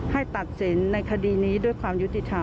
ตัดสินในคดีนี้ด้วยความยุติธรรม